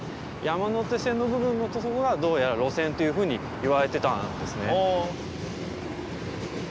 山手線の部分のとこがどうやら路線というふうにいわれてたんですね。